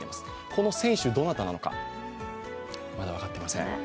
この選手、どなたなのか、まだ分かっていません。